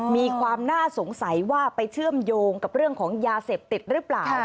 มีความน่าสงสัยว่าไปเชื่อมโยงกับเรื่องของยาเสพติดหรือเปล่า